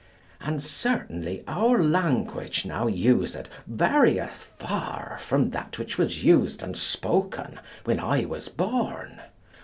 And certainly our language now used varieth far from that which was used and spoken when I was born.